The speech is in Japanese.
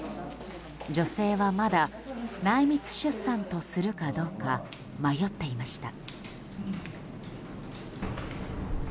女性はまだ内密出産とするかどうか迷っていました。